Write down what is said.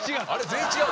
全員違う？